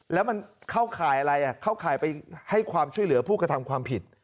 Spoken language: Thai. แล้วมันเข้าข่ายอะไรเข้าข่ายไปให้ความช่วยเหลือผู้กระทำความผิด